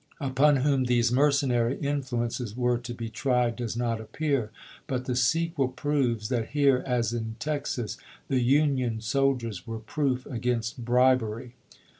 i". p 459. Upon whom these mercenary influences were to be tried does not appear, but the sequel proves that here, as in Texas, the Union soldiers were proof against bribery.